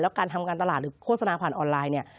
การทำการตลาดหรือโฆษณาผ่านออนไลน์เนี่ย